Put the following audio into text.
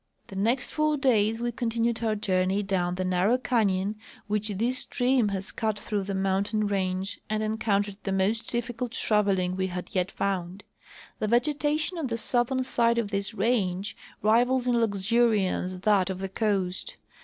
The next foiir days Ave continued our journey doAvn the nar row canyon Avhich this stream has cut through the mountain range and encountered the most difficult traveling Ave had yet found. The vegetation on the southern side of this range rivals in luxuriance that of the coast.